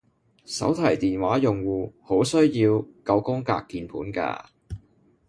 手提電話用戶好需要九宮格鍵盤㗎